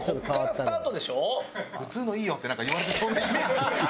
「普通のいいよ」ってなんか言われてそうなイメージ。